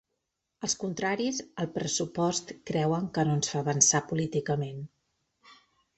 Els contraris al pressupost creuen que no ens fa avançar políticament.